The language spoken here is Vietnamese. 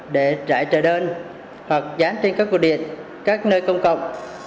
để trại trời đơn hoặc dán trên các cụ điện các nơi công cộng